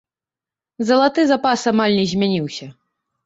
Залаты запас амаль не змяніўся.